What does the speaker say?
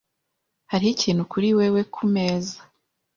Hariho ikintu kuri wewe kumeza.